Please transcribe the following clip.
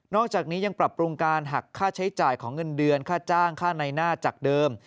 อกจากนี้ยังปรับปรุงการหักค่าใช้จ่ายของเงินเดือนค่าจ้างค่าในหน้าจากเดิม